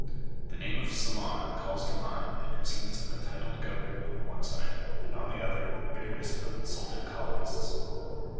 The name of Ceylon calls to mind the insolence of a titled governor on the one side, and on the other the bitterness of insulted colonists.